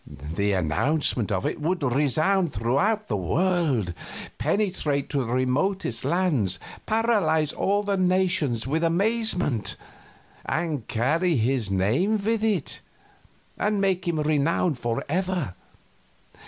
The announcement of it would resound throughout the world, penetrate to the remotest lands, paralyze all the nations with amazement and carry his name with it, and make him renowned forever.